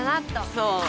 そう！